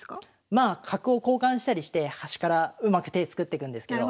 まあ角を交換したりして端からうまく手作ってくんですけど。